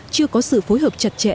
chưa có sự phối hợp chặt chẽ